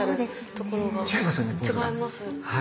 違います。